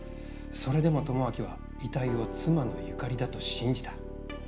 それでも智明は遺体を妻の由香里だと信じた。